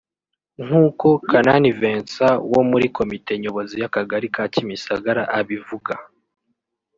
nk’uko Kanani Vincent wo muri komite nyobozi y’Akagari ka Kimisagara abivuga